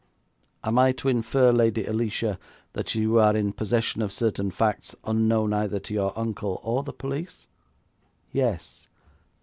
'Am I to infer, Lady Alicia, that you are in possession of certain facts unknown either to your uncle or the police?' 'Yes.'